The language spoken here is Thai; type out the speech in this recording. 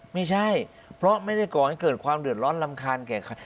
ไม่ใช่เพราะไม่ได้ก่อให้เกิดความเดือดร้อนรำคาญแก่ใคร